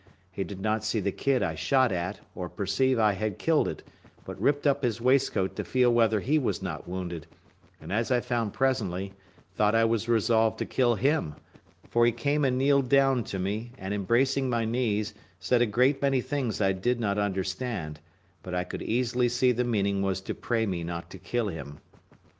He did not see the kid I shot at, or perceive I had killed it, but ripped up his waistcoat to feel whether he was not wounded; and, as I found presently, thought I was resolved to kill him: for he came and kneeled down to me, and embracing my knees, said a great many things I did not understand; but I could easily see the meaning was to pray me not to kill him.